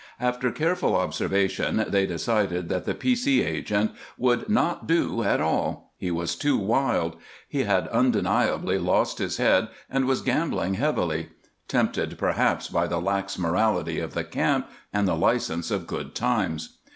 After careful observation they decided that the P. C. agent would not do at all; he was too wild. He had undeniably lost his head and was gambling heavily, tempted perhaps by the lax morality of the camp and the license of good times.